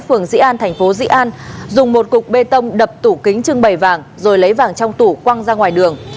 phường dĩ an tp dĩ an dùng một cục bê tông đập tủ kính trưng bày vàng rồi lấy vàng trong tủ quăng ra ngoài đường